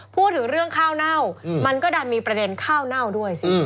พูดถึงเรื่องข้าวเน่ามันก็ดันมีประเด็นข้าวเน่าด้วยสิ